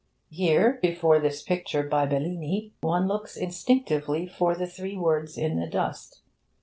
Here, before this picture by Bellini, one looks instinctively for the three words in the dust.